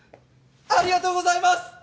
ありがとうございます！